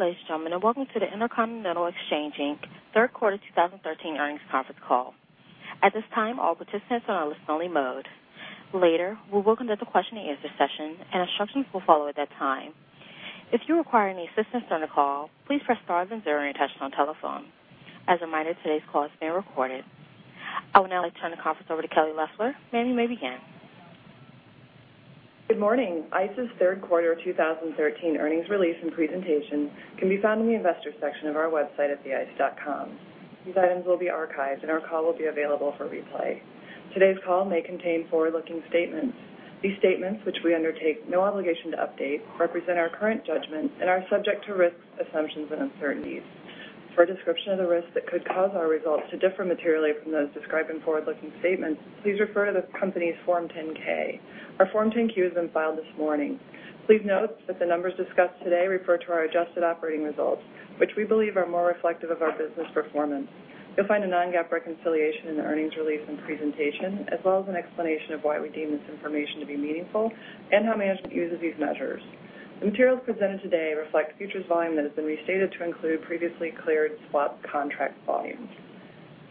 Good day, ladies and gentlemen, and welcome to the Intercontinental Exchange Inc. third quarter 2013 earnings conference call. At this time, all participants are on listen-only mode. Later, we will open to the question and answer session, and instructions will follow at that time. If you require any assistance on the call, please press star then zero on your touchtone telephone. As a reminder, today's call is being recorded. I would now like to turn the conference over to Kelly Loeffler. Ma'am, you may begin. Good morning. ICE's third quarter 2013 earnings release and presentation can be found in the investor section of our website at theice.com. These items will be archived and our call will be available for replay. Today's call may contain forward-looking statements. These statements, which we undertake no obligation to update, represent our current judgment and are subject to risks, assumptions, and uncertainties. For a description of the risks that could cause our results to differ materially from those described in forward-looking statements, please refer to the company's Form 10-K. Our Form 10-Q has been filed this morning. Please note that the numbers discussed today refer to our adjusted operating results, which we believe are more reflective of our business performance. You will find a non-GAAP reconciliation in the earnings release and presentation, as well as an explanation of why we deem this information to be meaningful and how management uses these measures. The materials presented today reflect futures volume that has been restated to include previously cleared swap contract volumes.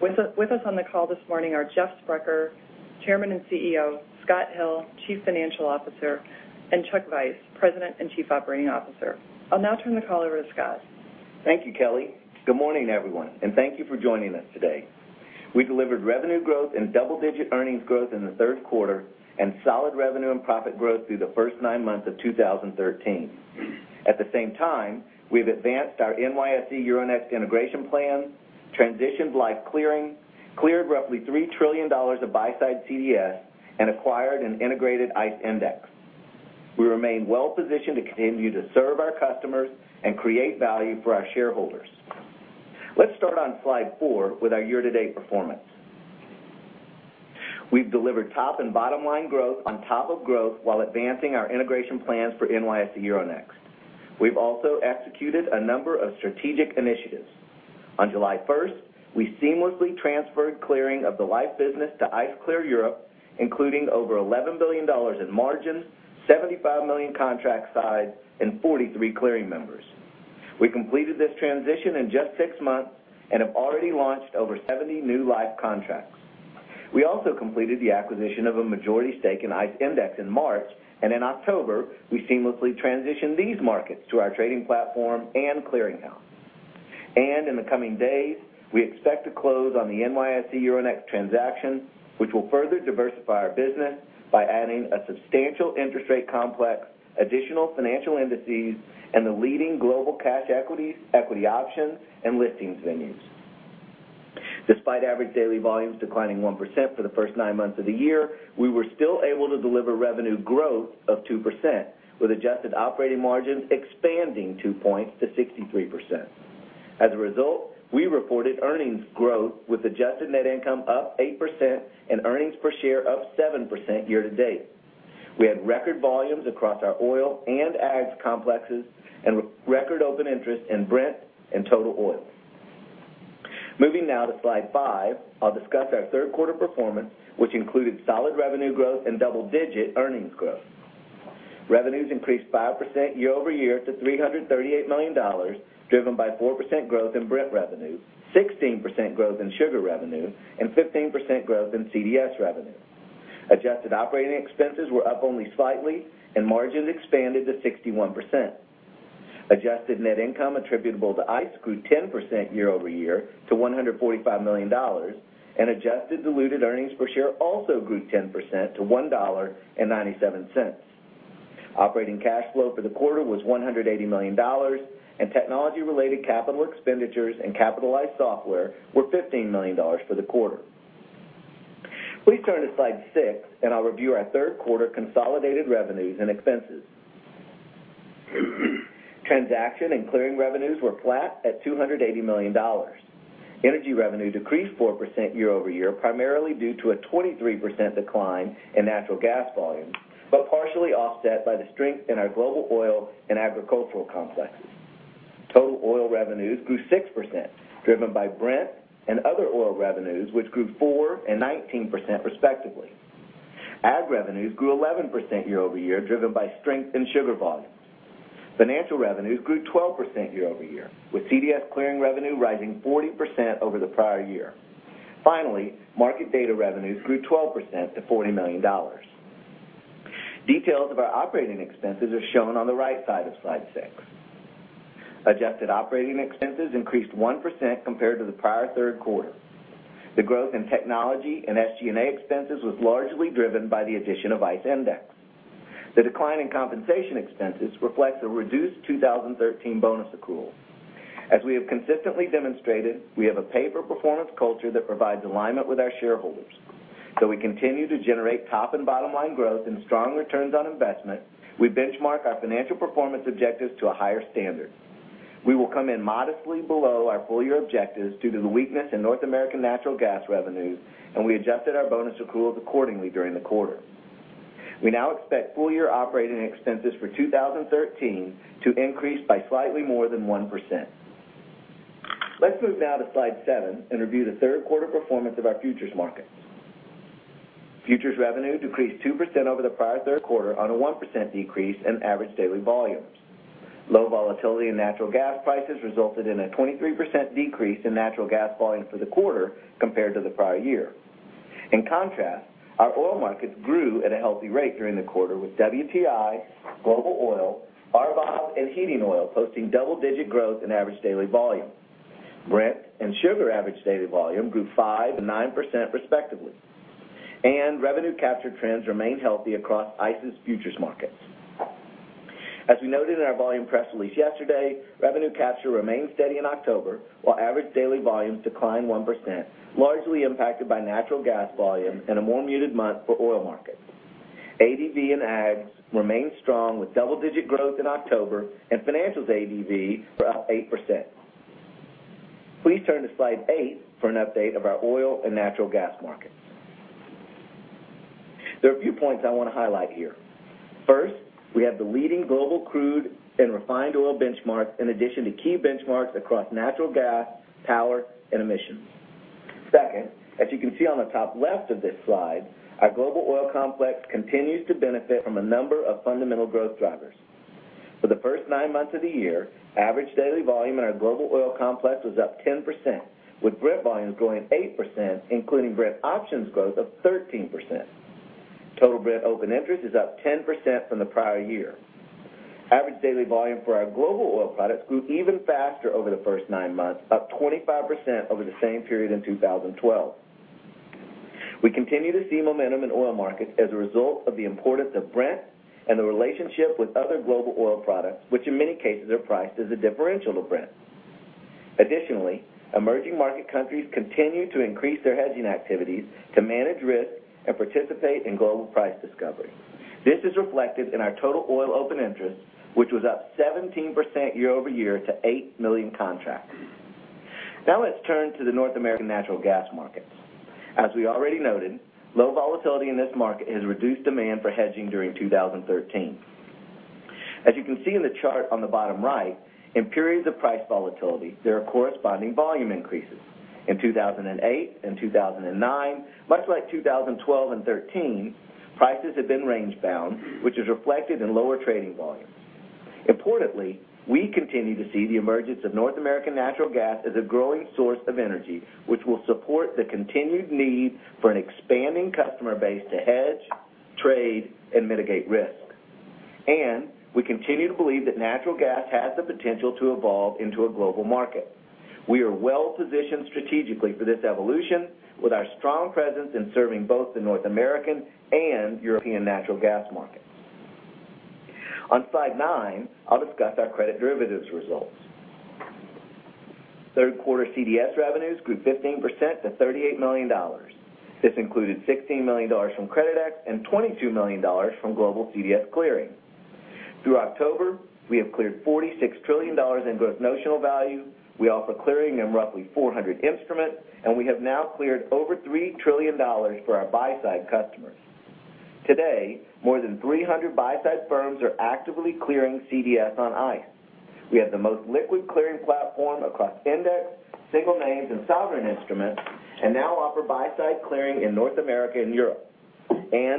With us on the call this morning are Jeff Sprecher, Chairman and CEO, Scott Hill, Chief Financial Officer, and Chuck Vice, President and Chief Operating Officer. I will now turn the call over to Scott. Thank you, Kelly. Good morning, everyone, and thank you for joining us today. We delivered revenue growth and double-digit earnings growth in the third quarter and solid revenue and profit growth through the first nine months of 2013. At the same time, we have advanced our NYSE Euronext integration plan, transitioned Liffe clearing, cleared roughly $3 trillion of buy-side CDS, and acquired an integrated ICE Endex. We remain well-positioned to continue to serve our customers and create value for our shareholders. Let's start on slide four with our year-to-date performance. We have delivered top and bottom-line growth on top of growth while advancing our integration plans for NYSE Euronext. We have also executed a number of strategic initiatives. On July 1st, we seamlessly transferred clearing of the Liffe business to ICE Clear Europe, including over $11 billion in margins, 75 million contract size, and 43 clearing members. We completed this transition in just six months and have already launched over 70 new Liffe contracts. We also completed the acquisition of a majority stake in ICE Endex in March, and in October, we seamlessly transitioned these markets to our trading platform and clearinghouse. In the coming days, we expect to close on the NYSE Euronext transaction, which will further diversify our business by adding a substantial interest rate complex, additional financial indices, and the leading global cash equities, equity options, and listings venues. Despite average daily volumes declining 1% for the first nine months of the year, we were still able to deliver revenue growth of 2%, with adjusted operating margins expanding two points to 63%. As a result, we reported earnings growth with adjusted net income up 8% and earnings per share up 7% year-to-date. We had record volumes across our oil and ags complexes and record open interest in Brent and Total Oil. Moving now to slide five, I'll discuss our third quarter performance, which included solid revenue growth and double-digit earnings growth. Revenues increased 5% year over year to $338 million, driven by 4% growth in Brent revenue, 16% growth in sugar revenue, and 15% growth in CDS revenue. Adjusted operating expenses were up only slightly and margins expanded to 61%. Adjusted net income attributable to ICE grew 10% year over year to $145 million, and adjusted diluted earnings per share also grew 10% to $1.97. Operating cash flow for the quarter was $180 million, and technology-related capital expenditures and capitalized software were $15 million for the quarter. Please turn to slide six, and I'll review our third quarter consolidated revenues and expenses. Transaction and clearing revenues were flat at $280 million. Energy revenue decreased 4% year over year, primarily due to a 23% decline in natural gas volumes, but partially offset by the strength in our global oil and agricultural complexes. Total oil revenues grew 6%, driven by Brent and other oil revenues, which grew 4% and 19% respectively. Ag revenues grew 11% year over year, driven by strength in sugar volumes. Financial revenues grew 12% year over year, with CDS clearing revenue rising 40% over the prior year. Finally, market data revenues grew 12% to $40 million. Details of our operating expenses are shown on the right side of slide six. Adjusted operating expenses increased 1% compared to the prior third quarter. The growth in technology and SG&A expenses was largely driven by the addition of ICE Endex. The decline in compensation expenses reflects a reduced 2013 bonus accrual. As we have consistently demonstrated, we have a pay-for-performance culture that provides alignment with our shareholders. We continue to generate top and bottom-line growth and strong returns on investment. We benchmark our financial performance objectives to a higher standard. We will come in modestly below our full-year objectives due to the weakness in North American natural gas revenues, and we adjusted our bonus accruals accordingly during the quarter. We now expect full-year operating expenses for 2013 to increase by slightly more than 1%. Let's move now to slide seven and review the third quarter performance of our futures markets. Futures revenue decreased 2% over the prior third quarter on a 1% decrease in average daily volumes. Low volatility in natural gas prices resulted in a 23% decrease in natural gas volume for the quarter compared to the prior year. In contrast, our oil markets grew at a healthy rate during the quarter with WTI, global oil, RBOB, and heating oil posting double-digit growth in average daily volume. Brent and sugar average daily volume grew 5% and 9% respectively. Revenue capture trends remain healthy across ICE's futures markets. As we noted in our volume press release yesterday, revenue capture remained steady in October while average daily volumes declined 1%, largely impacted by natural gas volume and a more muted month for oil markets. ADV and ags remained strong with double-digit growth in October and financials ADV were up 8%. Please turn to slide eight for an update of our oil and natural gas markets. There are a few points I want to highlight here. First, we have the leading global crude and refined oil benchmarks, in addition to key benchmarks across natural gas, power, and emissions. Second, as you can see on the top left of this slide, our global oil complex continues to benefit from a number of fundamental growth drivers. For the first nine months of the year, average daily volume in our global oil complex was up 10%, with Brent volumes growing 8%, including Brent options growth of 13%. Total Brent open interest is up 10% from the prior year. Average daily volume for our global oil products grew even faster over the first nine months, up 25% over the same period in 2012. We continue to see momentum in oil markets as a result of the importance of Brent and the relationship with other global oil products, which in many cases are priced as a differential to Brent. Additionally, emerging market countries continue to increase their hedging activities to manage risk and participate in global price discovery. This is reflected in our total oil open interest, which was up 17% year-over-year to 8 million contracts. Now let's turn to the North American natural gas markets. As we already noted, low volatility in this market has reduced demand for hedging during 2013. As you can see in the chart on the bottom right, in periods of price volatility, there are corresponding volume increases. In 2008 and 2009, much like 2012 and 2013, prices have been range-bound, which is reflected in lower trading volumes. Importantly, we continue to see the emergence of North American natural gas as a growing source of energy, which will support the continued need for an expanding customer base to hedge, trade, and mitigate risk. We continue to believe that natural gas has the potential to evolve into a global market. We are well-positioned strategically for this evolution with our strong presence in serving both the North American and European natural gas markets. On slide nine, I'll discuss our credit derivatives results. Third quarter CDS revenues grew 15% to $38 million. This included $16 million from Creditex and $22 million from Global CDS Clearing. Through October, we have cleared $46 trillion in gross notional value. We offer clearing in roughly 400 instruments, and we have now cleared over $3 trillion for our buy-side customers. Today, more than 300 buy-side firms are actively clearing CDS on ICE. We have the most liquid clearing platform across index, single names, and sovereign instruments, and now offer buy-side clearing in North America and Europe.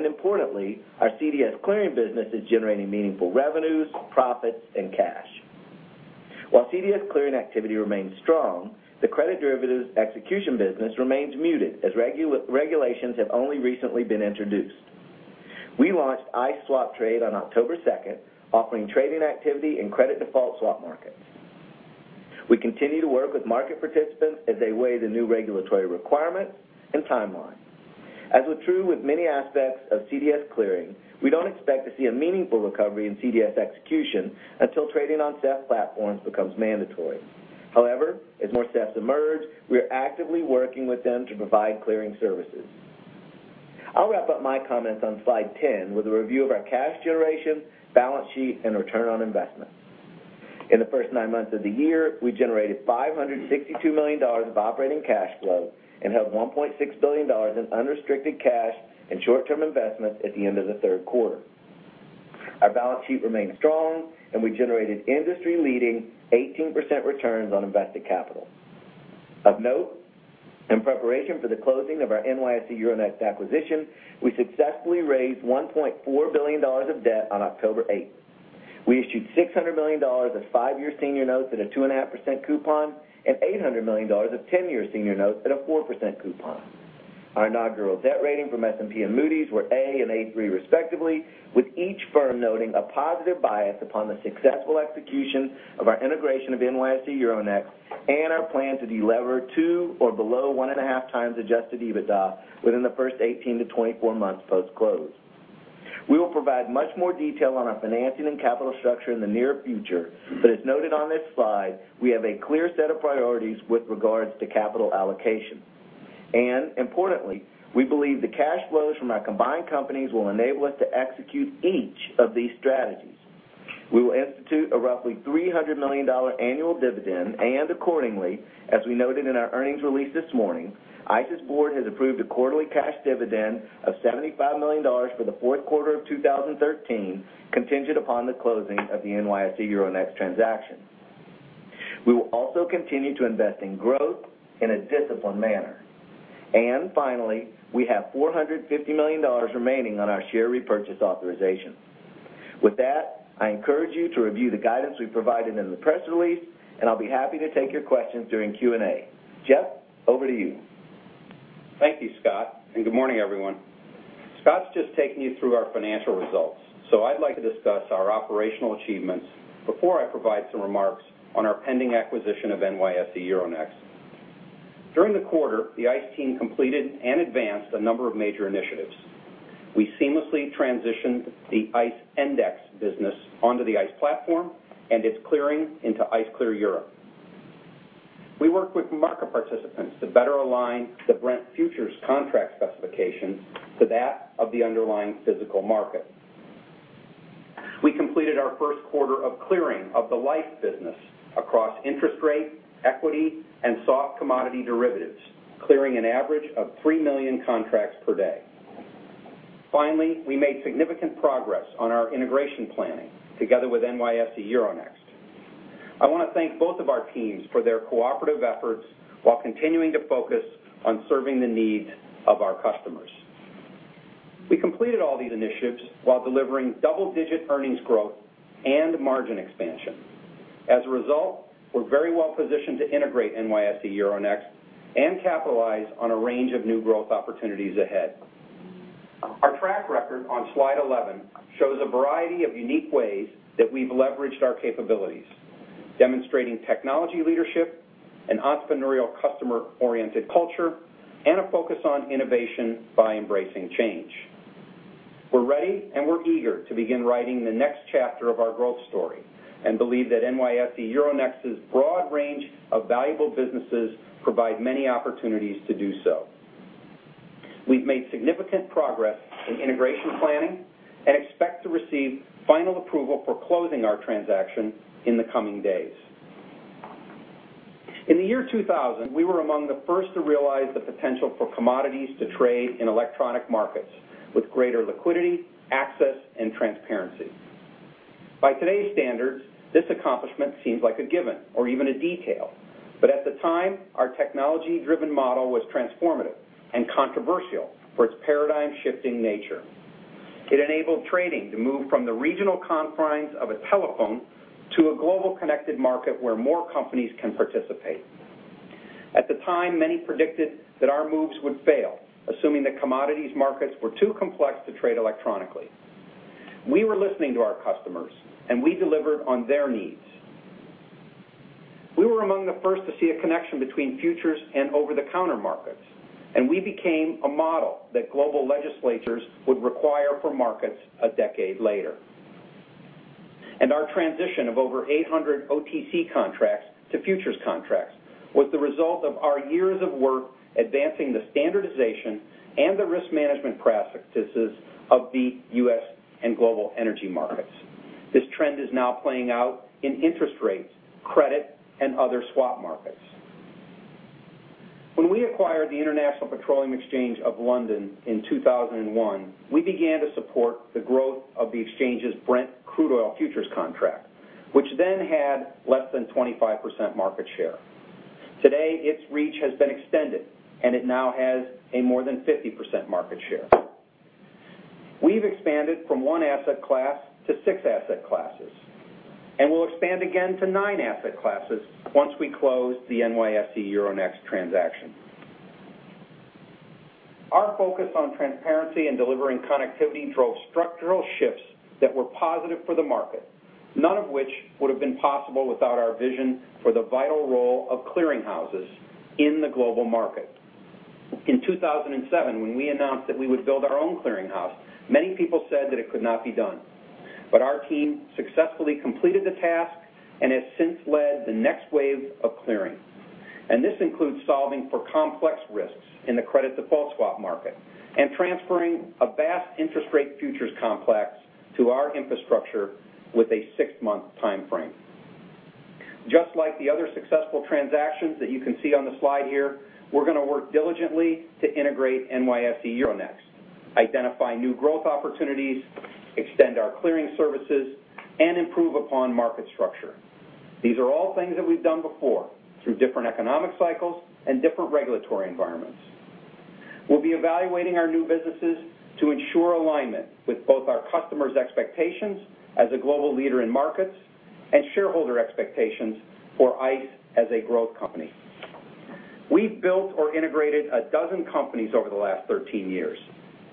Importantly, our CDS clearing business is generating meaningful revenues, profits, and cash. While CDS clearing activity remains strong, the credit derivatives execution business remains muted as regulations have only recently been introduced. We launched ICE Swap Trade on October 2nd, offering trading activity in credit default swap markets. We continue to work with market participants as they weigh the new regulatory requirements and timelines. As was true with many aspects of CDS clearing, we don't expect to see a meaningful recovery in CDS execution until trading on SEF platforms becomes mandatory. However, as more SEFs emerge, we are actively working with them to provide clearing services. I'll wrap up my comments on slide 10 with a review of our cash generation, balance sheet, and return on investment. In the first nine months of the year, we generated $562 million of operating cash flow and have $1.6 billion in unrestricted cash and short-term investments at the end of the third quarter. Our balance sheet remains strong, and we generated industry-leading 18% returns on invested capital. Of note, in preparation for the closing of our NYSE Euronext acquisition, we successfully raised $1.4 billion of debt on October 8th. We issued $600 million of five-year senior notes at a 2.5% coupon and $800 million of 10-year senior notes at a 4% coupon. Our inaugural debt rating from S&P and Moody's were A and A3 respectively, with each firm noting a positive bias upon the successful execution of our integration of NYSE Euronext and our plan to de-lever two or below 1.5 times adjusted EBITDA within the first 18 to 24 months post-close. We will provide much more detail on our financing and capital structure in the near future, but as noted on this slide, we have a clear set of priorities with regards to capital allocation. Importantly, we believe the cash flows from our combined companies will enable us to execute each of these strategies. We will institute a roughly $300 million annual dividend, and accordingly, as we noted in our earnings release this morning, ICE's board has approved a quarterly cash dividend of $75 million for the fourth quarter of 2013, contingent upon the closing of the NYSE Euronext transaction. We will also continue to invest in growth in a disciplined manner. Finally, we have $450 million remaining on our share repurchase authorization. With that, I encourage you to review the guidance we've provided in the press release, and I'll be happy to take your questions during Q&A. Jeff, over to you. Thank you, Scott, and good morning, everyone. Scott's just taken you through our financial results. I'd like to discuss our operational achievements before I provide some remarks on our pending acquisition of NYSE Euronext. During the quarter, the ICE team completed and advanced a number of major initiatives. We seamlessly transitioned the ICE Endex business onto the ICE platform, and its clearing into ICE Clear Europe. We worked with market participants to better align the Brent futures contract specifications to that of the underlying physical market. We completed our first quarter of clearing of the Liffe business across interest rate, equity, and soft commodity derivatives, clearing an average of 3 million contracts per day. Finally, we made significant progress on our integration planning together with NYSE Euronext. I want to thank both of our teams for their cooperative efforts while continuing to focus on serving the needs of our customers. We completed all these initiatives while delivering double-digit earnings growth and margin expansion. As a result, we're very well positioned to integrate NYSE Euronext and capitalize on a range of new growth opportunities ahead. Our track record on slide 11 shows a variety of unique ways that we've leveraged our capabilities, demonstrating technology leadership, an entrepreneurial customer-oriented culture, and a focus on innovation by embracing change. We're ready and we're eager to begin writing the next chapter of our growth story and believe that NYSE Euronext's broad range of valuable businesses provide many opportunities to do so. We've made significant progress in integration planning and expect to receive final approval for closing our transaction in the coming days. In the year 2000, we were among the first to realize the potential for commodities to trade in electronic markets with greater liquidity, access, and transparency. At the time, our technology-driven model was transformative and controversial for its paradigm-shifting nature. It enabled trading to move from the regional confines of a telephone to a global connected market where more companies can participate. At the time, many predicted that our moves would fail, assuming that commodities markets were too complex to trade electronically. We were listening to our customers. We delivered on their needs. We were among the first to see a connection between futures and over-the-counter markets. We became a model that global legislatures would require for markets a decade later. Our transition of over 800 OTC contracts to futures contracts was the result of our years of work advancing the standardization and the risk management practices of the U.S. and global energy markets. This trend is now playing out in interest rates, credit, and other swap markets. When we acquired the International Petroleum Exchange of London in 2001, we began to support the growth of the exchange's Brent Crude futures contract, which then had less than 25% market share. Today, its reach has been extended. It now has a more than 50% market share. We've expanded from one asset class to six asset classes. We'll expand again to nine asset classes once we close the NYSE Euronext transaction. Our focus on transparency and delivering connectivity drove structural shifts that were positive for the market, none of which would have been possible without our vision for the vital role of clearing houses in the global market. In 2007, when we announced that we would build our own clearing house, many people said that it could not be done. Our team successfully completed the task and has since led the next wave of clearing. This includes solving for complex risks in the credit default swap market and transferring a vast interest rate futures complex to our infrastructure with a six-month timeframe. Just like the other successful transactions that you can see on the slide here, we're going to work diligently to integrate NYSE Euronext, identify new growth opportunities, extend our clearing services, and improve upon market structure. These are all things that we've done before through different economic cycles and different regulatory environments. We'll be evaluating our new businesses to ensure alignment with both our customers' expectations as a global leader in markets and shareholder expectations for ICE as a growth company. We've built or integrated 12 companies over the last 13 years,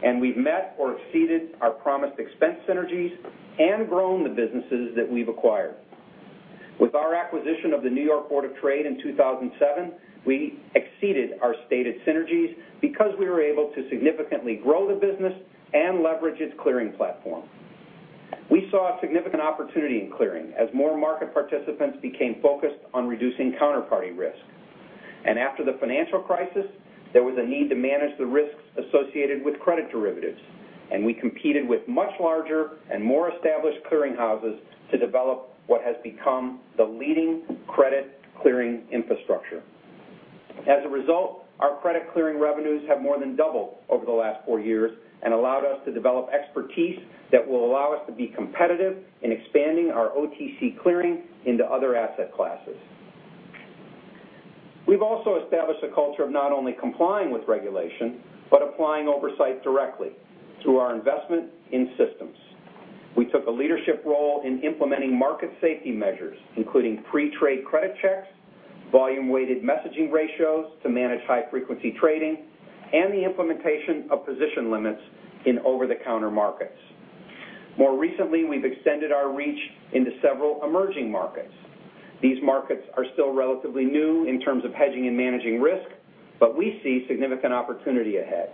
and we've met or exceeded our promised expense synergies and grown the businesses that we've acquired. With our acquisition of the New York Board of Trade in 2007, we exceeded our stated synergies because we were able to significantly grow the business and leverage its clearing platform. We saw a significant opportunity in clearing as more market participants became focused on reducing counterparty risk. After the financial crisis, there was a need to manage the risks associated with credit derivatives, and we competed with much larger and more established clearing houses to develop what has become the leading credit clearing infrastructure. As a result, our credit clearing revenues have more than doubled over the last four years and allowed us to develop expertise that will allow us to be competitive in expanding our OTC clearing into other asset classes. We've also established a culture of not only complying with regulation, but applying oversight directly through our investment in systems. We took a leadership role in implementing market safety measures, including pre-trade credit checks, volume-weighted messaging ratios to manage high-frequency trading, and the implementation of position limits in over-the-counter markets. More recently, we've extended our reach into several emerging markets. These markets are still relatively new in terms of hedging and managing risk, but we see significant opportunity ahead.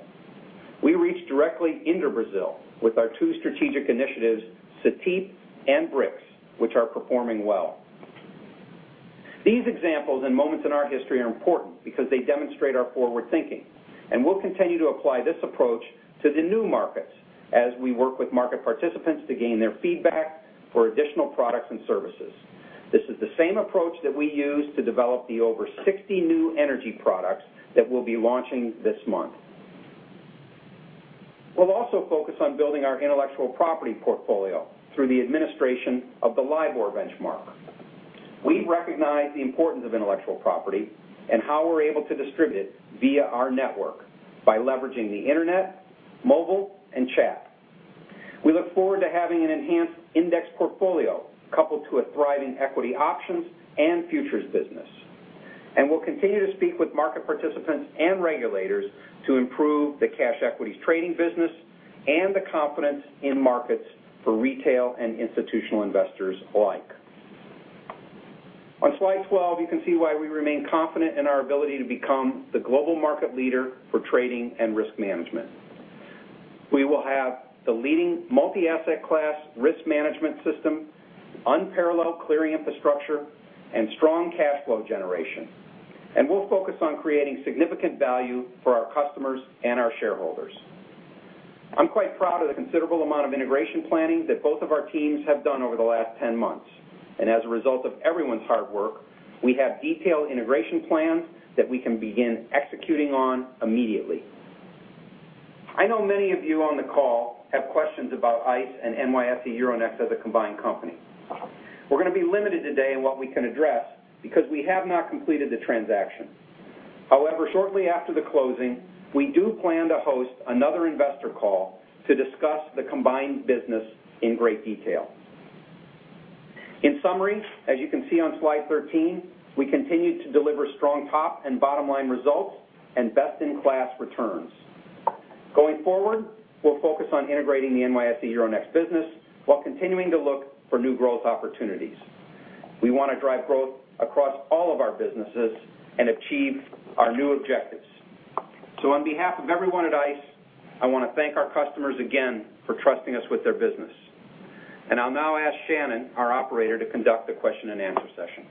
We reach directly into Brazil with our two strategic initiatives, Cetip and BRIX, which are performing well. These examples and moments in our history are important because they demonstrate our forward-thinking, and we'll continue to apply this approach to the new markets as we work with market participants to gain their feedback for additional products and services. This is the same approach that we used to develop the over 60 new energy products that we'll be launching this month. We'll also focus on building our intellectual property portfolio through the administration of the LIBOR benchmark. We recognize the importance of intellectual property and how we're able to distribute it via our network by leveraging the internet, mobile, and chat. We look forward to having an enhanced index portfolio coupled to a thriving equity options and futures business. We'll continue to speak with market participants and regulators to improve the cash equities trading business and the confidence in markets for retail and institutional investors alike. On slide 12, you can see why we remain confident in our ability to become the global market leader for trading and risk management. We will have the leading multi-asset class risk management system, unparalleled clearing infrastructure, and strong cash flow generation. We'll focus on creating significant value for our customers and our shareholders. I'm quite proud of the considerable amount of integration planning that both of our teams have done over the last 10 months. As a result of everyone's hard work, we have detailed integration plans that we can begin executing on immediately. I know many of you on the call have questions about ICE and NYSE Euronext as a combined company. We're going to be limited today in what we can address because we have not completed the transaction. However, shortly after the closing, we do plan to host another investor call to discuss the combined business in great detail. In summary, as you can see on slide 13, we continue to deliver strong top and bottom-line results and best-in-class returns. Going forward, we'll focus on integrating the NYSE Euronext business while continuing to look for new growth opportunities. We want to drive growth across all of our businesses and achieve our new objectives. On behalf of everyone at ICE, I want to thank our customers again for trusting us with their business. I'll now ask Shannon, our operator, to conduct the question and answer session.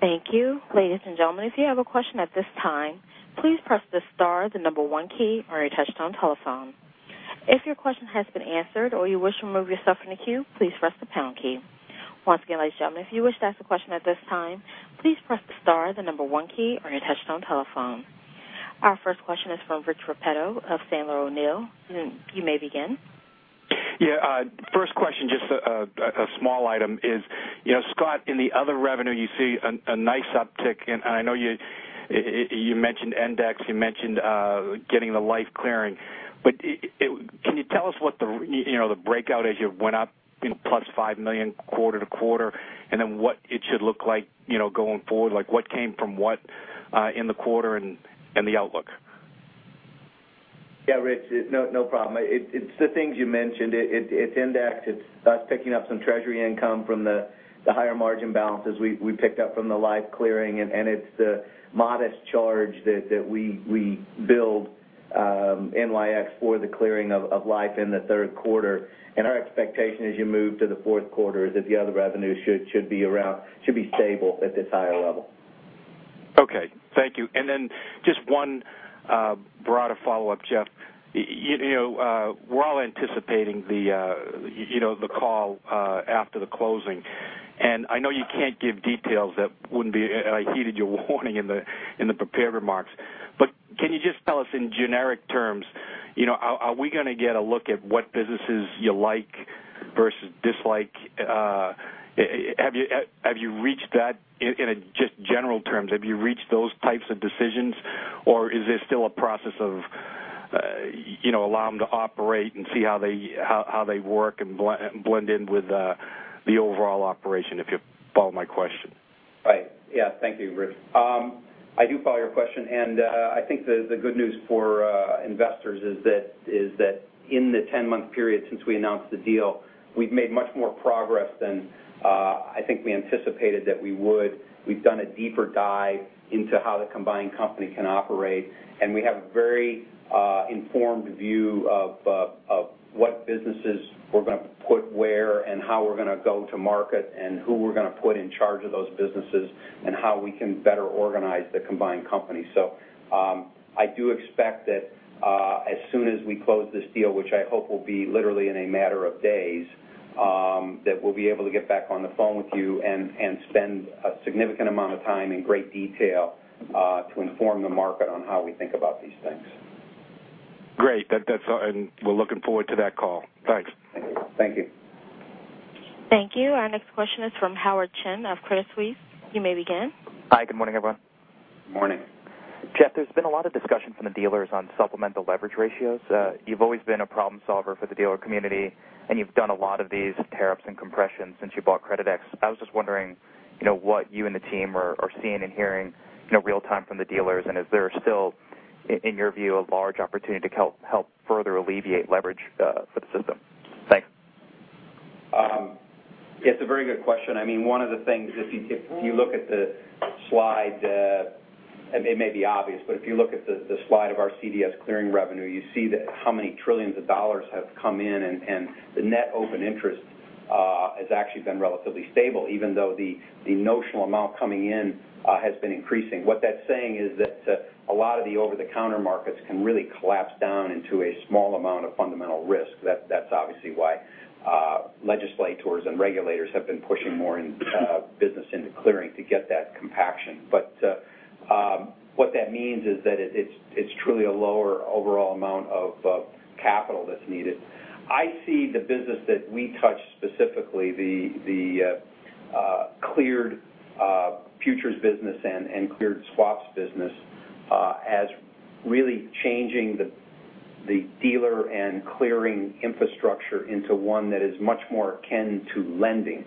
Thank you. Ladies and gentlemen, if you have a question at this time, please press the star, the number one key on your touch-tone telephone. If your question has been answered or you wish to remove yourself from the queue, please press the pound key. Once again, ladies and gentlemen, if you wish to ask a question at this time, please press the star, the number one key on your touch-tone telephone. Our first question is from Rich Repetto of Sandler O'Neill. You may begin. Yeah. First question, just a small item is, Scott, in the other revenue, you see a nice uptick, and I know you mentioned index, you mentioned getting the Liffe clearing. Can you tell us what the breakout is? You went up plus $5 million quarter-to-quarter, and then what it should look like going forward, like what came from what in the quarter, and the outlook? Yeah, Rich, no problem. It's the things you mentioned. It's index. It's us picking up some treasury income from the higher margin balances we picked up from the Liffe clearing, and it's the modest charge that we build NYX for the clearing of Liffe in the third quarter. Our expectation as you move to the fourth quarter is that the other revenue should be stable at this higher level. Okay. Thank you. Just one broader follow-up, Jeff. We're all anticipating the call after the closing. I know you can't give details. I heeded your warning in the prepared remarks. Can you just tell us in generic terms, are we going to get a look at what businesses you like versus dislike? In just general terms, have you reached those types of decisions, or is this still a process of allow them to operate and see how they work and blend in with the overall operation, if you follow my question? Right. Yeah. Thank you, Rich. I do follow your question. I think the good news for investors is that in the 10-month period since we announced the deal, we've made much more progress than I think we anticipated that we would. We've done a deeper dive into how the combined company can operate. We have a very informed view of what businesses we're going to put where and how we're going to go to market and who we're going to put in charge of those businesses and how we can better organize the combined company. I do expect that as soon as we close this deal, which I hope will be literally in a matter of days. That we'll be able to get back on the phone with you and spend a significant amount of time in great detail, to inform the market on how we think about these things. Great. We're looking forward to that call. Thanks. Thank you. Thank you. Our next question is from Howard Chen of Credit Suisse. You may begin. Hi, good morning, everyone. Morning. Jeff, there's been a lot of discussion from the dealers on supplementary leverage ratio. You've always been a problem solver for the dealer community, and you've done a lot of these tear-ups and compressions since you bought Creditex. I was just wondering what you and the team are seeing and hearing real-time from the dealers. Is there still, in your view, a large opportunity to help further alleviate leverage for the system? Thanks. It's a very good question. One of the things, if you look at the slide, it may be obvious, but if you look at the slide of our CDS clearing revenue, you see how many $ trillions have come in, and the net open interest has actually been relatively stable, even though the notional amount coming in has been increasing. What that's saying is that a lot of the over-the-counter markets can really collapse down into a small amount of fundamental risk. That's obviously why legislators and regulators have been pushing more business into clearing to get that compaction. What that means is that it's truly a lower overall amount of capital that's needed. I see the business that we touch, specifically the cleared futures business and cleared swaps business, as really changing the dealer and clearing infrastructure into one that is much more akin to lending.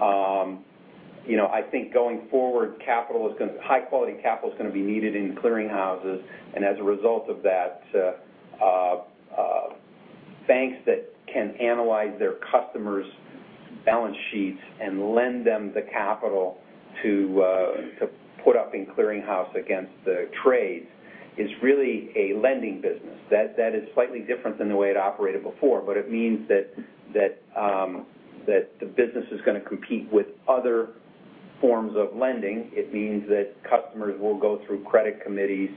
I think going forward, high-quality capital is going to be needed in clearing houses, and as a result of that, banks that can analyze their customers' balance sheets and lend them the capital to put up in clearing house against the trades is really a lending business. That is slightly different than the way it operated before. It means that the business is going to compete with other forms of lending. It means that customers will go through credit committees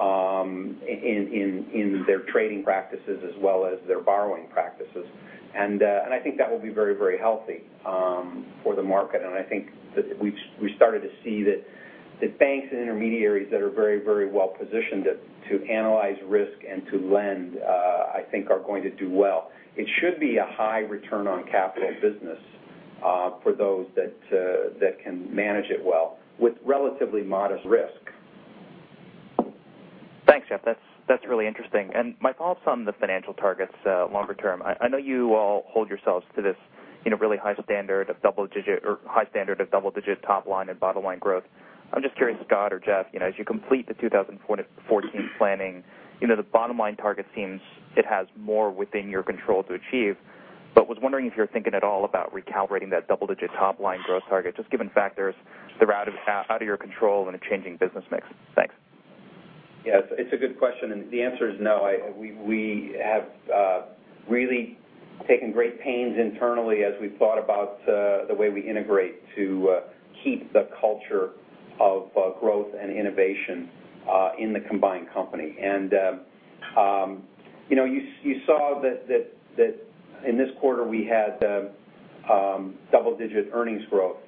in their trading practices as well as their borrowing practices. I think that will be very healthy for the market. I think that we started to see that banks and intermediaries that are very well-positioned to analyze risk and to lend, I think are going to do well. It should be a high return on capital business for those that can manage it well, with relatively modest risk. Thanks, Jeff. That's really interesting. My follow-up's on the financial targets longer term. I know you all hold yourselves to this really high standard of double-digit top-line and bottom-line growth. I'm just curious, Scott or Jeff, as you complete the 2014 planning, the bottom-line target seems it has more within your control to achieve. Was wondering if you're thinking at all about recalibrating that double-digit top-line growth target, just given factors that are out of your control and a changing business mix. Thanks. Yeah. It's a good question. The answer is no. We have really taken great pains internally as we've thought about the way we integrate to keep the culture of growth and innovation in the combined company. You saw that in this quarter, we had double-digit earnings growth.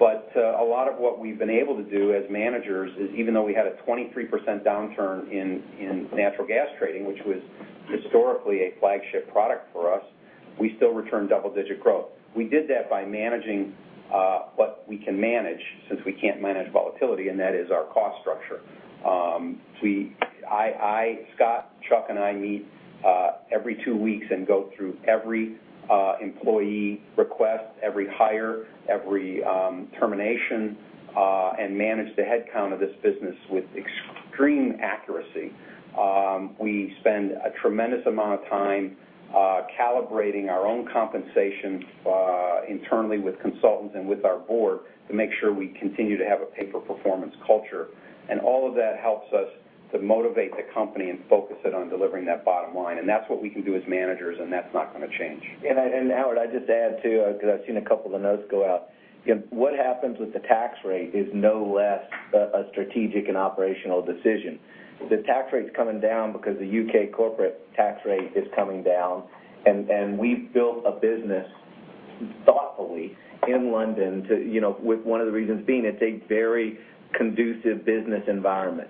A lot of what we've been able to do as managers is, even though we had a 23% downturn in natural gas trading, which was historically a flagship product for us, we still returned double-digit growth. We did that by managing what we can manage since we can't manage volatility, and that is our cost structure. Scott Hill, Chuck Vice, and I meet every 2 weeks and go through every employee request, every hire, every termination, and manage the headcount of this business with extreme accuracy. We spend a tremendous amount of time calibrating our own compensation internally with consultants and with our board to make sure we continue to have a pay-for-performance culture. All of that helps us to motivate the company and focus it on delivering that bottom line. That's what we can do as managers, and that's not going to change. Howard, I'd just add, too, because I've seen a couple of the notes go out. What happens with the tax rate is no less a strategic and operational decision. The tax rate's coming down because the U.K. corporate tax rate is coming down, and we've built a business thoughtfully in London with one of the reasons being it's a very conducive business environment.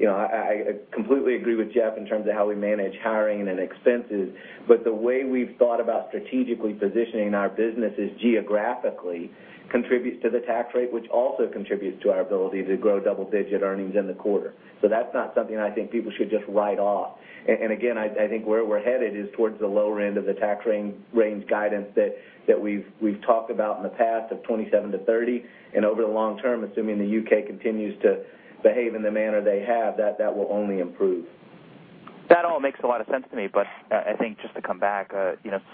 I completely agree with Jeff in terms of how we manage hiring and expenses. The way we've thought about strategically positioning our businesses geographically contributes to the tax rate, which also contributes to our ability to grow double-digit earnings in the quarter. That's not something I think people should just write off. Again, I think where we're headed is towards the lower end of the tax range guidance that we've talked about in the past of 27%-30%. Over the long term, assuming the U.K. continues to behave in the manner they have, that will only improve. That all makes a lot of sense to me. I think just to come back,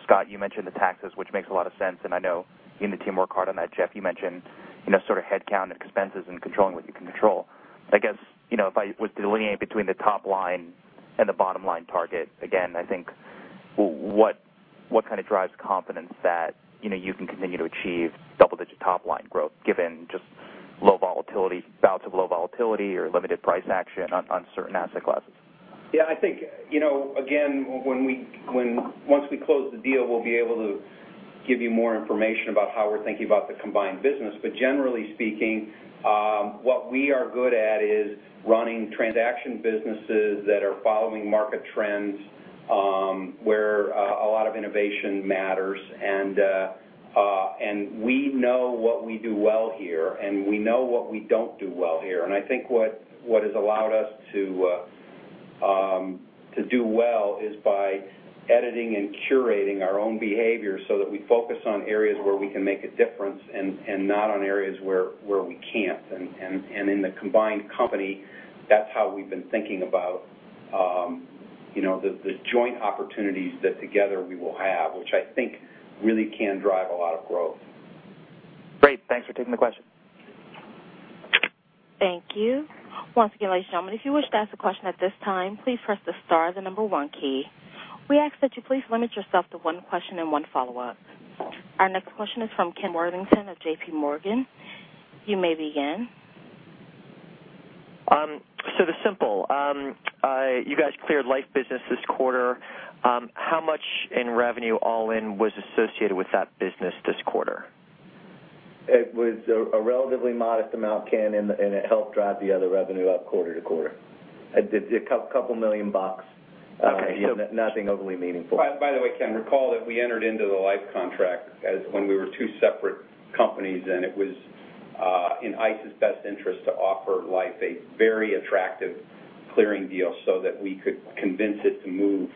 Scott, you mentioned the taxes, which makes a lot of sense, and I know you and the team work hard on that. Jeff, you mentioned headcount and expenses and controlling what you can control. I guess, if I was delineating between the top-line and the bottom-line target, again, I think what kind of drives confidence that you can continue to achieve double-digit top-line growth given bouts of low volatility or limited price action on certain asset classes? I think, again, once we close the deal, we'll be able to give you more information about how we're thinking about the combined business. Generally speaking, what we are good at is running transaction businesses that are following market trends, where a lot of innovation matters. We know what we do well here, and we know what we don't do well here. I think what has allowed us to do well is by editing and curating our own behavior so that we focus on areas where we can make a difference and not on areas where we can't. In the combined company, that's how we've been thinking about the joint opportunities that together we will have, which I think really can drive a lot of growth. Great. Thanks for taking the question. Thank you. Once again, ladies and gentlemen, if you wish to ask a question at this time, please press the star, the number one key. We ask that you please limit yourself to one question and one follow-up. Our next question is from Ken Worthington of JPMorgan. You may begin. this is simple. You guys cleared Liffe business this quarter. How much in revenue, all-in, was associated with that business this quarter? It was a relatively modest amount, Ken, and it helped drive the other revenue up quarter-to-quarter. A couple million bucks. Okay. Nothing overly meaningful. By the way, Ken, recall that we entered into the Liffe contract when we were two separate companies. It was in ICE's best interest to offer Liffe a very attractive clearing deal so that we could convince it to move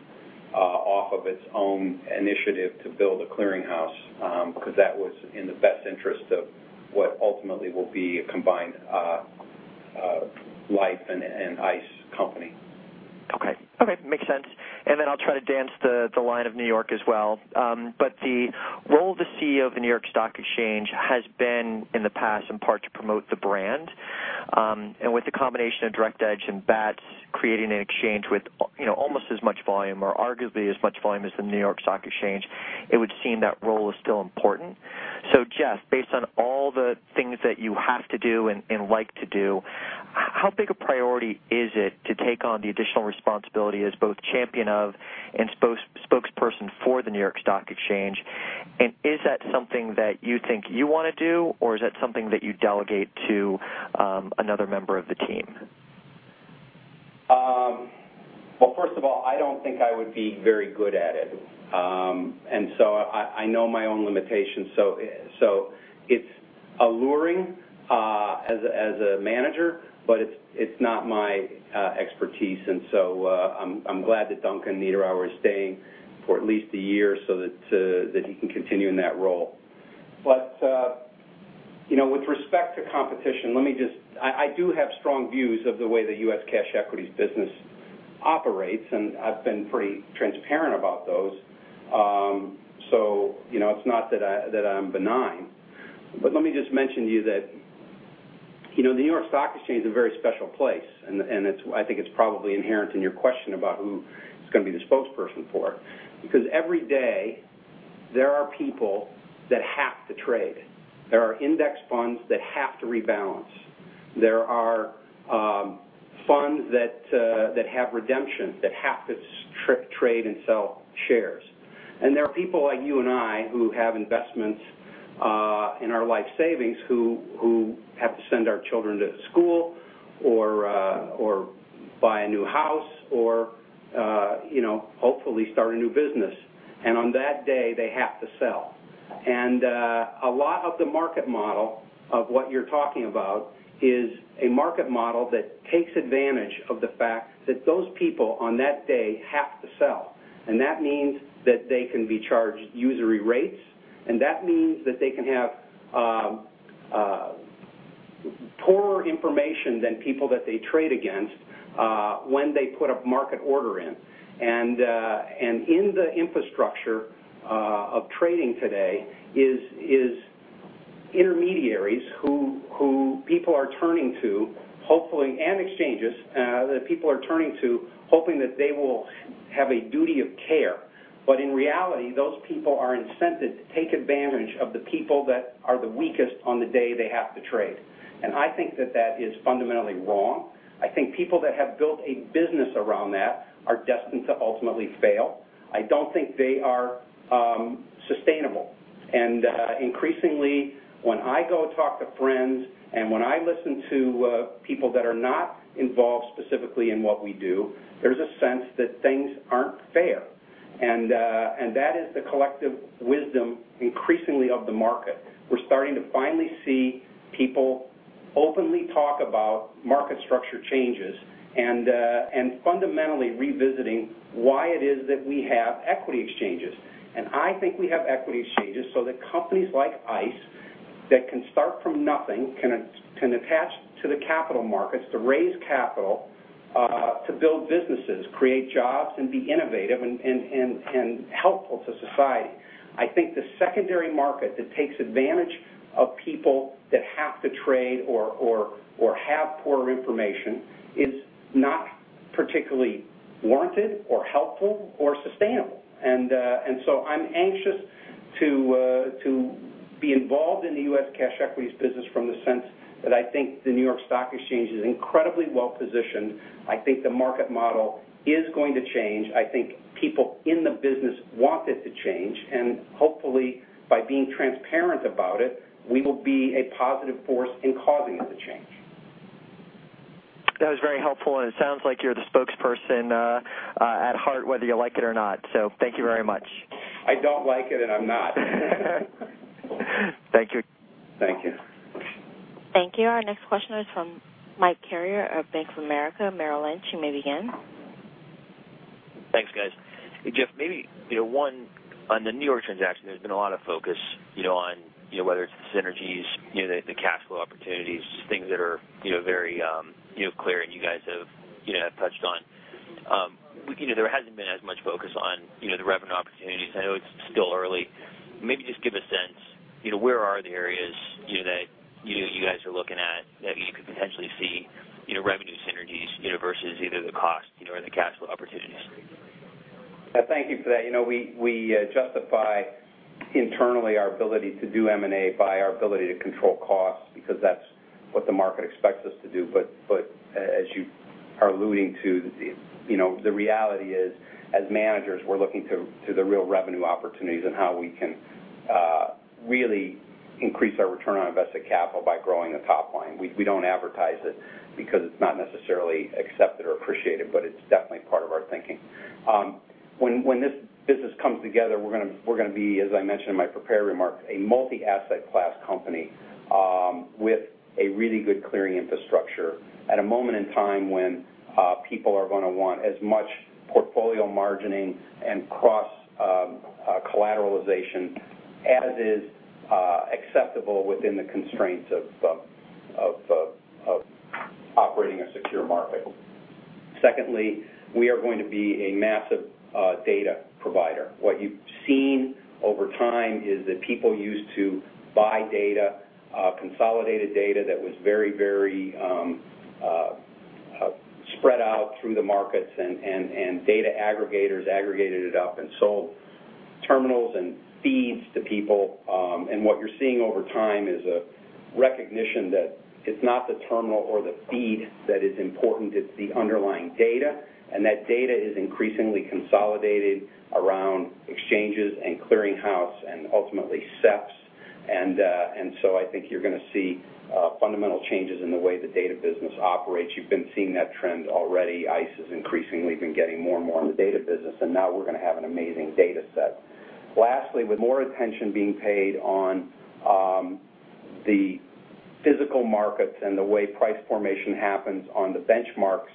off of its own initiative to build a clearinghouse, because that was in the best interest of what ultimately will be a combined Liffe and ICE company. Okay. Makes sense. I'll try to dance the line of New York as well. The role of the CEO of the New York Stock Exchange has been, in the past, in part to promote the brand. With the combination of Direct Edge and BATS creating an exchange with almost as much volume, or arguably as much volume as the New York Stock Exchange, it would seem that role is still important. Jeff, based on all the things that you have to do and like to do, how big a priority is it to take on the additional responsibility as both champion of and spokesperson for the New York Stock Exchange? Is that something that you think you want to do, or is that something that you delegate to another member of the team? Well, first of all, I don't think I would be very good at it. I know my own limitations. It's alluring as a manager, but it's not my expertise. I'm glad that Duncan Niederauer is staying for at least a year so that he can continue in that role. With respect to competition, I do have strong views of the way the U.S. cash equities business operates, and I've been pretty transparent about those. It's not that I'm benign. Let me just mention to you that the New York Stock Exchange is a very special place, and I think it's probably inherent in your question about who is going to be the spokesperson for it. Every day, there are people that have to trade. There are index funds that have to rebalance. There are funds that have redemptions, that have to trade and sell shares. There are people like you and I who have investments in our life savings who have to send our children to school or buy a new house or hopefully start a new business. On that day, they have to sell. A lot of the market model of what you're talking about is a market model that takes advantage of the fact that those people on that day have to sell. That means that they can be charged usury rates, and that means that they can have poorer information than people that they trade against when they put a market order in. In the infrastructure of trading today is intermediaries who people are turning to, hopefully, and exchanges that people are turning to, hoping that they will have a duty of care. In reality, those people are incented to take advantage of the people that are the weakest on the day they have to trade. I think that that is fundamentally wrong. I think people that have built a business around that are destined to ultimately fail. I don't think they are sustainable. Increasingly, when I go talk to friends and when I listen to people that are not involved specifically in what we do, there's a sense that things aren't fair. That is the collective wisdom, increasingly, of the market. We're starting to finally see people openly talk about market structure changes and fundamentally revisiting why it is that we have equity exchanges. I think we have equity exchanges so that companies like ICE that can start from nothing can attach to the capital markets to raise capital to build businesses, create jobs, and be innovative and helpful to society. I think the secondary market that takes advantage of people that have to trade or have poorer information is not particularly warranted or helpful or sustainable. So I'm anxious to be involved in the U.S. cash equities business from the sense that I think the New York Stock Exchange is incredibly well-positioned. I think the market model is going to change. I think people in the business want it to change, and hopefully, by being transparent about it, we will be a positive force in causing it to change. That was very helpful, it sounds like you're the spokesperson at heart whether you like it or not. Thank you very much. I don't like it, I'm not. Thank you. Thank you. Thank you. Our next question is from Mike Carrier of Bank of America Merrill Lynch. You may begin. Thanks, guys. Jeff, maybe, one, on the New York transaction, there's been a lot of focus on whether it's the synergies, the cash flow opportunities, things that are very clear and you guys have touched on. There hasn't been as much focus on the revenue opportunities. I know it's still early. Maybe just give a sense, where are the areas that you guys are looking at that you could potentially see revenue synergies versus either the cost or the cash flow opportunities? Thank you for that. We justify internally our ability to do M&A by our ability to control costs because that's what the market expects us to do. As you are alluding to, the reality is, as managers, we're looking to the real revenue opportunities and how we can really increase our return on invested capital by growing the top line. We don't advertise it because it's not necessarily accepted or appreciated, but it's definitely part of our thinking. When this business comes together, we're going to be, as I mentioned in my prepared remarks, a multi-asset class company with a really good clearing infrastructure at a moment in time when people are going to want as much portfolio margining and cross-collateralization as is acceptable within the constraints of operating a secure market. Secondly, we are going to be a massive data provider. What you've seen over time is that people used to buy data, consolidated data that was very spread out through the markets, and data aggregators aggregated it up and sold terminals and feeds to people. What you're seeing over time is a recognition that it's not the terminal or the feed that is important, it's the underlying data, and that data is increasingly consolidated around exchanges and clearing house and ultimately, SEFs. I think you're going to see fundamental changes in the way the data business operates. You've been seeing that trend already. ICE has increasingly been getting more and more in the data business, and now we're going to have an amazing data set. Lastly, with more attention being paid on the physical markets and the way price formation happens on the benchmarks,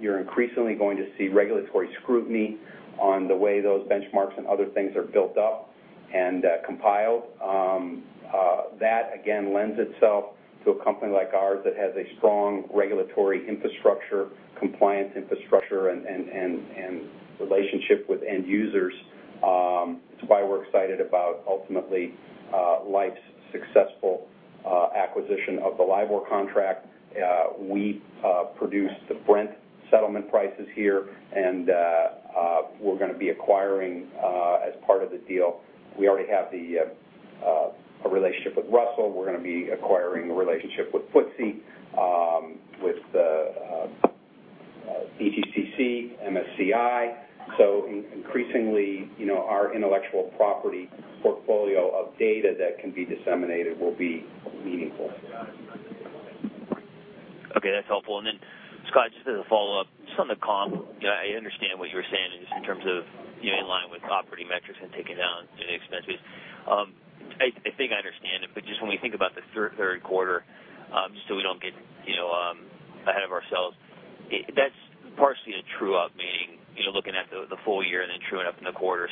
you're increasingly going to see regulatory scrutiny on the way those benchmarks and other things are built up and compiled. That, again, lends itself to a company like ours that has a strong regulatory infrastructure, compliance infrastructure, and relationship with end users. It's why we're excited about, ultimately, Liffe's successful acquisition of the LIBOR contract. We produce the Brent settlement prices here, and we're going to be acquiring as part of the deal. We already have a relationship with Russell. We're going to be acquiring a relationship with FTSE, with the (EGCC), MSCI. Increasingly, our intellectual property portfolio of data that can be disseminated will be meaningful. Okay, that's helpful. Scott, just as a follow-up, just on the comp, I understand what you're saying in terms of in line with operating metrics and taking down expenses. I think I understand it, just when we think about the third quarter, just so we don't get ahead of ourselves, that's partially a true-up, meaning, looking at the full year and then truing up in the quarter.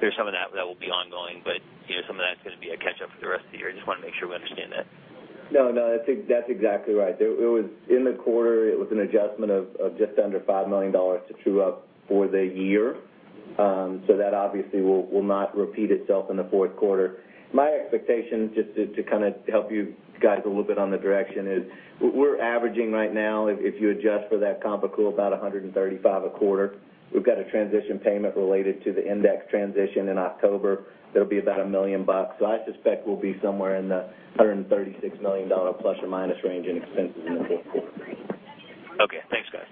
There's some of that that will be ongoing, but some of that's going to be a catch-up for the rest of the year. I just want to make sure we understand that. No, I think that's exactly right. In the quarter, it was an adjustment of just under $5 million to true up for the year. That obviously will not repeat itself in the fourth quarter. My expectation, just to kind of help you guys a little bit on the direction is we're averaging right now, if you adjust for that comp, a cool about $135 million a quarter. We've got a transition payment related to the index transition in October. That'll be about $1 million. I suspect we'll be somewhere in the $136 million plus or minus range in expenses in the fourth quarter. Okay. Thanks, guys.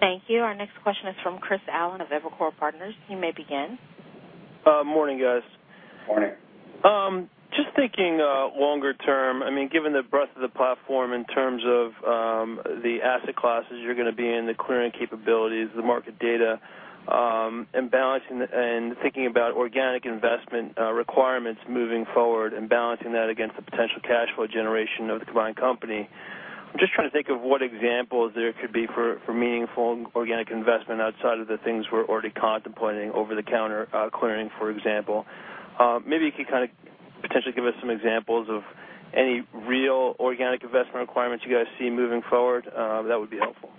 Thank you. Our next question is from Chris Allen of Evercore Partners. You may begin. Morning, guys. Morning. Just thinking longer term, given the breadth of the platform in terms of the asset classes you're going to be in, the clearing capabilities, the market data, and thinking about organic investment requirements moving forward and balancing that against the potential cash flow generation of the combined company, I'm just trying to think of what examples there could be for meaningful organic investment outside of the things we're already contemplating over the counter clearing, for example. Maybe you could potentially give us some examples of any real organic investment requirements you guys see moving forward. That would be helpful.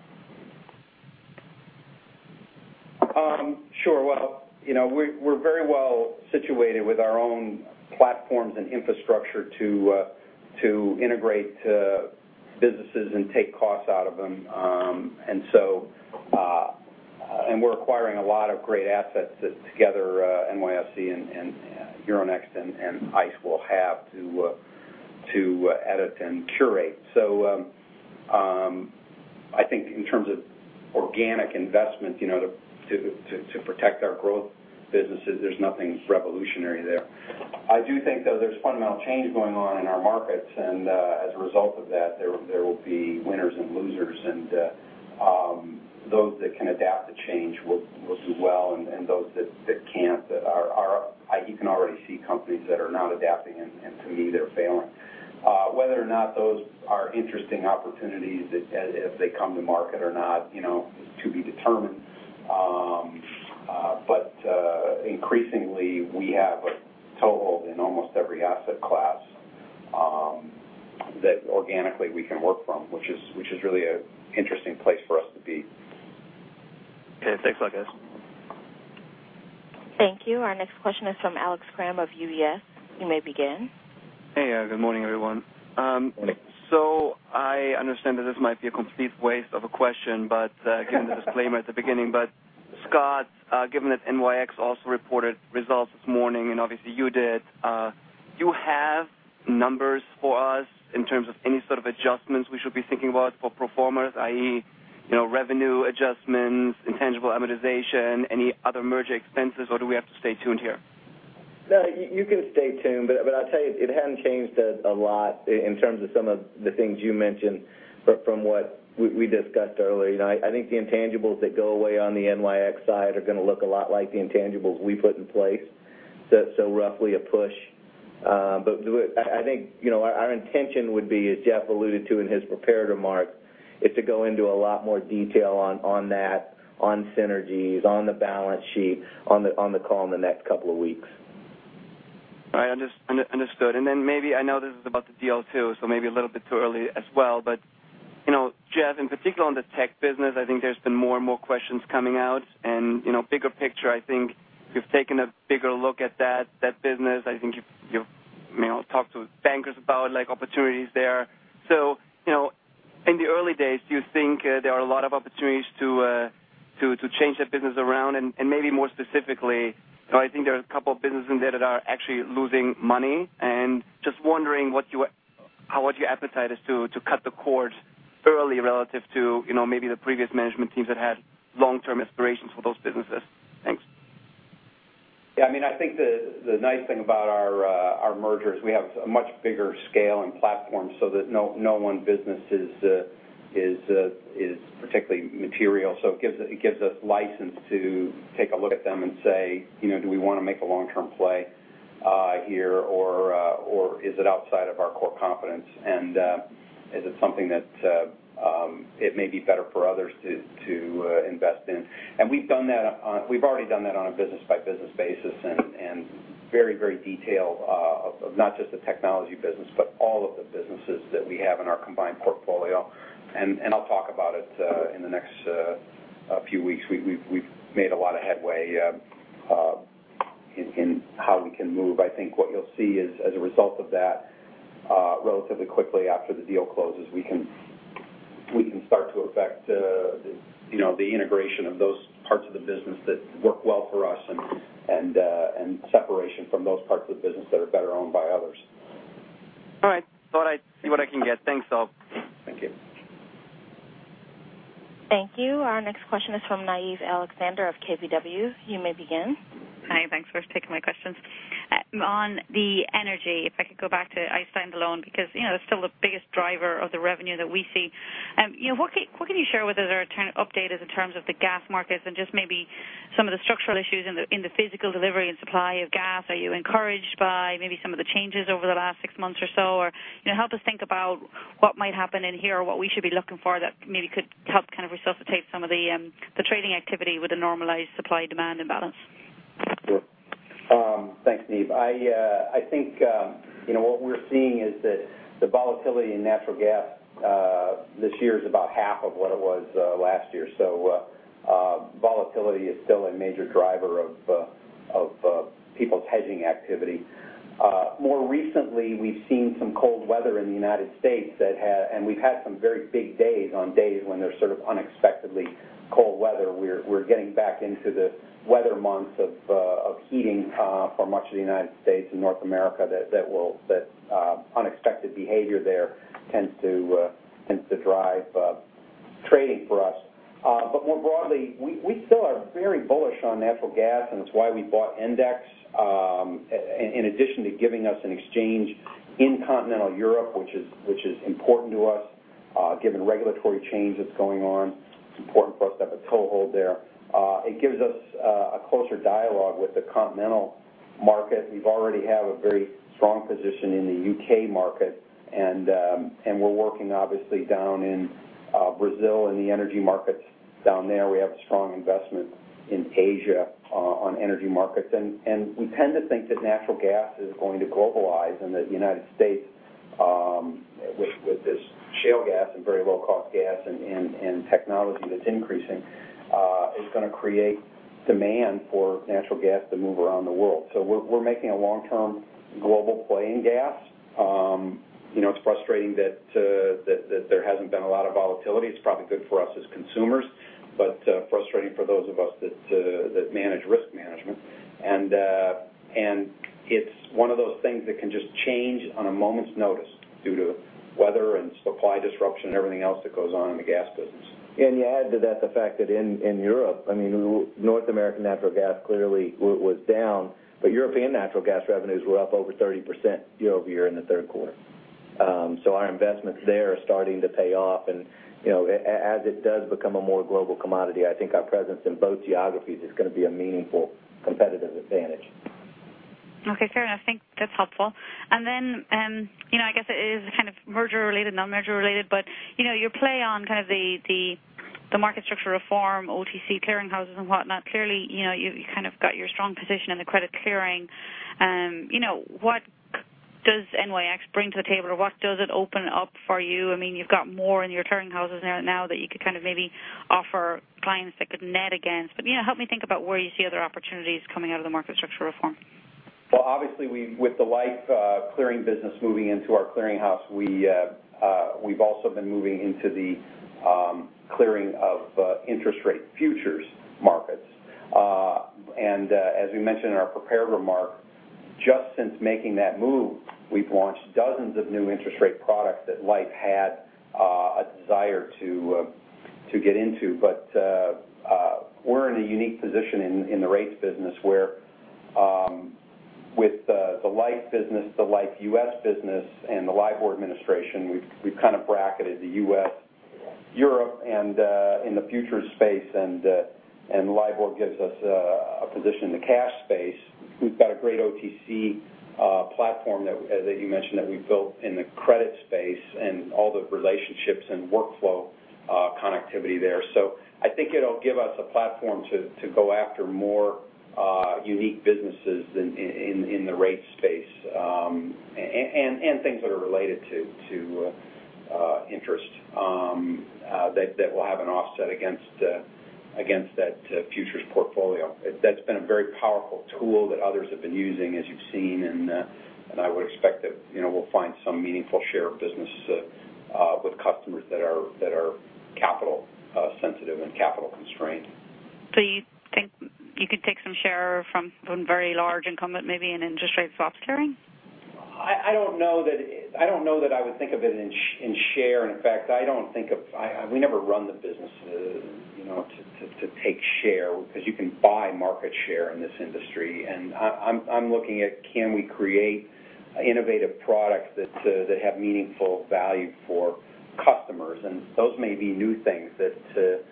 Sure. Well, we're very well situated with our own platforms and infrastructure to integrate businesses and take costs out of them. We're acquiring a lot of great assets that together, NYSE and Euronext and ICE will have to edit and curate. I think in terms of organic investment to protect our growth businesses, there's nothing revolutionary there. I do think, though, there's fundamental change going on in our markets, and as a result of that, there will be winners and losers. Those that can adapt to change will do well, and those that can't, you can already see companies that are not adapting, and to me, they're failing. Whether or not those are interesting opportunities, if they come to market or not, is to be determined. Increasingly, we have a toehold in almost every asset class that organically we can work from, which is really an interesting place for us to be. Okay. Thanks, guys. Thank you. Our next question is from Alex Kramm of UBS. You may begin. Hey. Good morning, everyone. Morning. I understand that this might be a complete waste of a question, but given the disclaimer at the beginning, Scott, given that NYX also reported results this morning, and obviously you did, do you have numbers for us in terms of any sort of adjustments we should be thinking about for pro formas, i.e., revenue adjustments, intangible amortization, any other merger expenses, or do we have to stay tuned here? No, you can stay tuned, but I'll tell you, it hadn't changed a lot in terms of some of the things you mentioned from what we discussed earlier. I think the intangibles that go away on the NYX side are going to look a lot like the intangibles we put in place. Roughly a push. I think our intention would be, as Jeff alluded to in his prepared remarks, is to go into a lot more detail on that, on synergies, on the balance sheet, on the call in the next couple of weeks. All right. Understood. Maybe, I know this is about the deal, too, maybe a little bit too early as well, Jeff, in particular on the tech business, I think there's been more and more questions coming out and bigger picture, I think you've taken a bigger look at that business. I think you've talked to bankers about opportunities there. In the early days, do you think there are a lot of opportunities to change that business around? Maybe more specifically, I think there are a couple of businesses in there that are actually losing money, and just wondering what your appetite is to cut the cord early relative to maybe the previous management teams that had long-term aspirations for those businesses. Thanks. Yeah, I think the nice thing about our merger is we have a much bigger scale and platform that no one business is particularly material. It gives us license to take a look at them and say, "Do we want to make a long-term play here, or is it outside of our core competence? Is it something that it may be better for others to invest in?" We've already done that on a business-by-business basis and very detailed, not just the technology business, but all of the businesses that we have in our combined portfolio. I'll talk about it in the next few weeks. We've made a lot of headway in how we can move. I think what you'll see is, as a result of that, relatively quickly after the deal closes, we can start to effect the integration of those parts of the business that work well for us and separation from those parts of the business that are better owned by others. All right. Thought I'd see what I can get. Thanks. Thank you. Thank you. Our next question is from Niamh Alexander of KBW. You may begin. Hi. Thanks for taking my questions. On the energy, if I could go back to ICE standalone, because it's still the biggest driver of the revenue that we see. What can you share with us or update us in terms of the gas markets and just maybe some of the structural issues in the physical delivery and supply of gas? Are you encouraged by maybe some of the changes over the last six months or so? Help us think about what might happen in here or what we should be looking for that maybe could help resuscitate some of the trading activity with a normalized supply-demand imbalance. Sure. Thanks, Niamh. I think what we're seeing is that the volatility in natural gas this year is about half of what it was last year. Volatility is still a major driver of people's hedging activity. More recently, we've seen some cold weather in the United States, and we've had some very big days on days when there's sort of unexpectedly cold weather. We're getting back into the weather months of heating for much of the United States and North America, that unexpected behavior there tends to drive trading for us. More broadly, we still are very bullish on natural gas, and it's why we bought Endex. In addition to giving us an exchange in continental Europe, which is important to us given regulatory change that's going on, it's important for us to have a toehold there. It gives us a closer dialogue with the continental market. We already have a very strong position in the U.K. market, we're working, obviously, down in Brazil in the energy markets down there. We have a strong investment in Asia on energy markets. We tend to think that natural gas is going to globalize and that the United States, with this shale gas and very low-cost gas and technology that's increasing, is going to create demand for natural gas to move around the world. We're making a long-term global play in gas. It's frustrating that there hasn't been a lot of volatility. It's probably good for us as consumers, but frustrating for those of us that manage risk management. It's one of those things that can just change on a moment's notice due to weather and supply disruption, everything else that goes on in the gas business. You add to that the fact that in Europe, North American natural gas clearly was down, but European natural gas revenues were up over 30% year-over-year in the third quarter. Our investments there are starting to pay off. As it does become a more global commodity, I think our presence in both geographies is going to be a meaningful competitive advantage. Okay, fair enough. I think that's helpful. Then, I guess it is kind of merger-related, non-merger-related, but your play on the market structure reform, OTC clearing houses and whatnot, clearly, you've kind of got your strong position in the credit clearing. What does NYX bring to the table, or what does it open up for you? You've got more in your clearing houses there now that you could maybe offer clients that could net against. Help me think about where you see other opportunities coming out of the market structure reform. Well, obviously, with the Liffe clearing business moving into our clearing house, we've also been moving into the clearing of interest rate futures markets. As we mentioned in our prepared remarks, just since making that move, we've launched dozens of new interest rate products that Liffe had a desire to get into. We're in a unique position in the rates business where with the Liffe business, the Liffe U.S. business, and the LIBOR administration, we've kind of bracketed the U.S., Europe, and in the futures space, and LIBOR gives us a position in the cash space. We've got a great OTC platform that you mentioned that we've built in the credit space and all the relationships and workflow connectivity there. I think it'll give us a platform to go after more unique businesses in the rates space and things that are related to interest that will have an offset against that futures portfolio. That's been a very powerful tool that others have been using, as you've seen, and I would expect that we'll find some meaningful share of business with customers that are capital sensitive and capital constrained. You think you could take some share from very large incumbent, maybe in interest rate swaps clearing? I don't know that I would think of it in share. In fact, we never run the business to take share because you can buy market share in this industry. I'm looking at can we create innovative products that have meaningful value for customers, and those may be new things that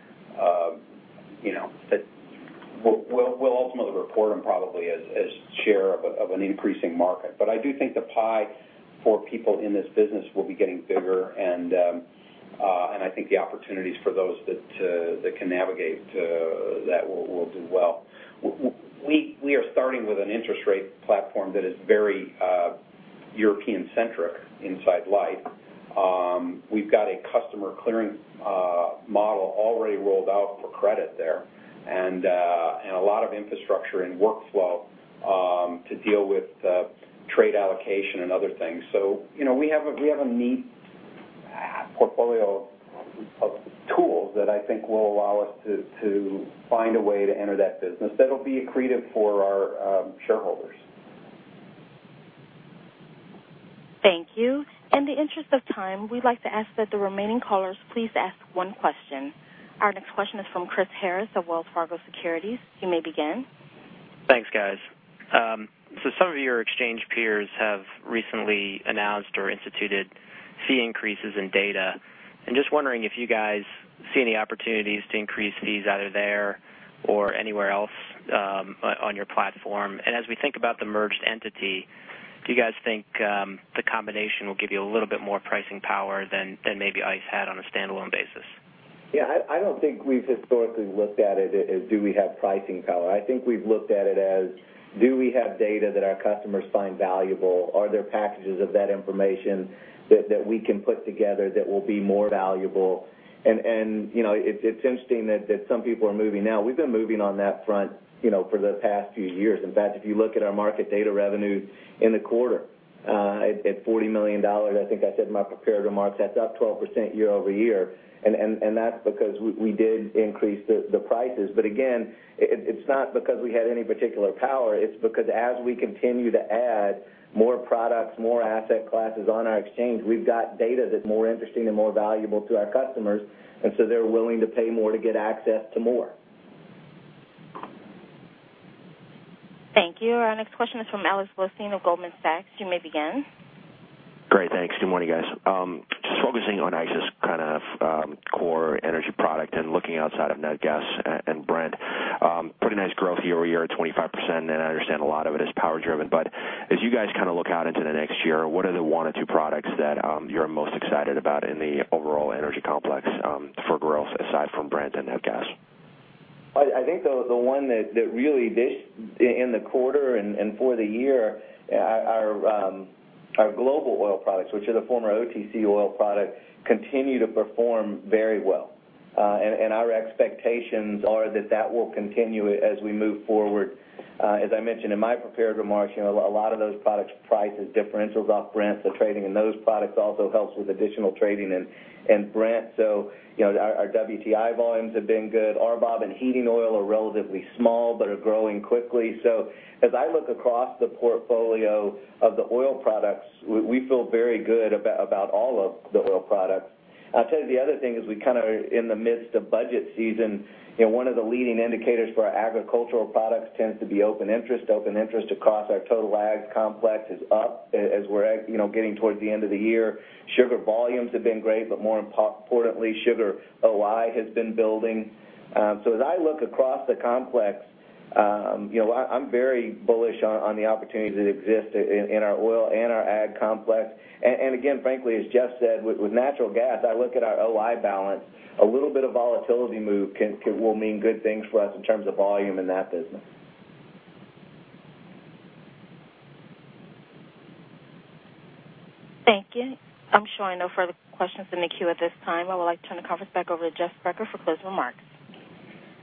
we'll ultimately report on probably as share of an increasing market. I do think the pie for people in this business will be getting bigger, and I think the opportunities for those that can navigate that will do well. We are starting with an interest rate platform that is very European-centric inside Liffe. We've got a customer clearance model already rolled out for credit there and a lot of infrastructure and workflow to deal with trade allocation and other things. We have a neat portfolio of tools that I think will allow us to find a way to enter that business that'll be accretive for our shareholders. Thank you. In the interest of time, we'd like to ask that the remaining callers please ask one question. Our next question is from Chris Harris of Wells Fargo Securities. You may begin. Thanks, guys. Some of your exchange peers have recently announced or instituted fee increases in data. I'm just wondering if you guys see any opportunities to increase fees either there or anywhere else on your platform. As we think about the merged entity, do you guys think the combination will give you a little bit more pricing power than maybe ICE had on a standalone basis? Yeah, I don't think we've historically looked at it as do we have pricing power. I think we've looked at it as do we have data that our customers find valuable? Are there packages of that information that we can put together that will be more valuable? It's interesting that some people are moving now. We've been moving on that front for the past few years. In fact, if you look at our market data revenues in the quarter at $40 million, I think I said in my prepared remarks, that's up 12% year-over-year. That's because we did increase the prices. Again, it's not because we had any particular power. It's because as we continue to add more products, more asset classes on our exchange, we've got data that's more interesting and more valuable to our customers, they're willing to pay more to get access to more. Thank you. Our next question is from Alex Blostein of Goldman Sachs. You may begin. Great. Thanks. Good morning, guys. Just focusing on ICE's kind of core energy product and looking outside of Nat gas and Brent. Pretty nice growth year-over-year at 25%. I understand a lot of it is power-driven. As you guys kind of look out into the next year, what are the one or two products that you're most excited about in the overall energy complex for growth, aside from Brent and Nat gas? I think the one that really in the quarter and for the year, our global oil products, which are the former OTC oil products, continue to perform very well. Our expectations are that that will continue as we move forward. As I mentioned in my prepared remarks, a lot of those products' prices differentials off Brent, trading in those products also helps with additional trading in Brent. Our WTI volumes have been good. RBOB and heating oil are relatively small but are growing quickly. As I look across the portfolio of the oil products, we feel very good about all of the oil products. I'll tell you the other thing is we kind of are in the midst of budget season, one of the leading indicators for our agricultural products tends to be open interest. Open interest across our total ag complex is up as we're getting towards the end of the year. Sugar volumes have been great. More importantly, sugar OI has been building. As I look across the complex, I'm very bullish on the opportunities that exist in our oil and our ag complex. Again, frankly, as Jeff said, with natural gas, I look at our OI balance, a little bit of volatility move will mean good things for us in terms of volume in that business. Thank you. I'm showing no further questions in the queue at this time. I would like to turn the conference back over to Jeff Sprecher for closing remarks.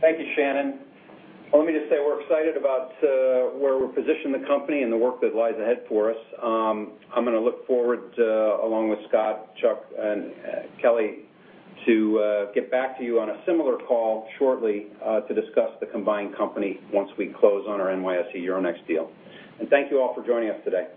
Thank you, Shannon. Let me just say we're excited about where we've positioned the company and the work that lies ahead for us. I'm going to look forward, along with Scott, Chuck, and Kelly, to get back to you on a similar call shortly to discuss the combined company once we close on our NYSE Euronext deal. Thank you all for joining us today.